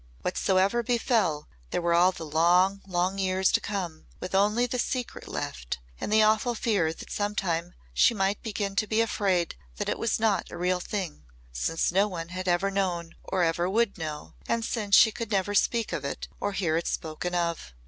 Whatsoever befell there were all the long, long years to come with only the secret left and the awful fear that sometime she might begin to be afraid that it was not a real thing since no one had ever known or ever would know and since she could never speak of it or hear it spoken of.